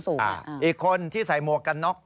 อีกคนที่ใส่หมวกกันน็อก